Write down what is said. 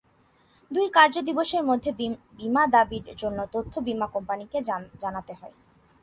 দুই কার্য দিবসের মধ্যে বিমা দাবির জন্য তথ্য বিমা কোম্পানিকে জানাতে হয়।